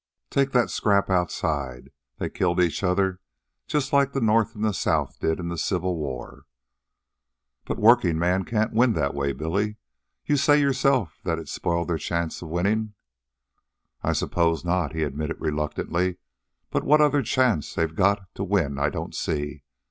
Take that scrap outside there. They killed each other just like the North an' South did in the Civil War." "But workingmen can't win that way, Billy. You say yourself that it spoiled their chance of winning." "I suppose not," he admitted reluctantly. "But what other chance they've got to win I don't see.